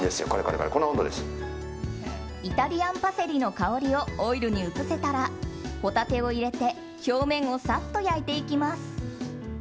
イタリアンパセリの香りをオイルに移せたらホタテを入れて表面をサッと焼いていきます。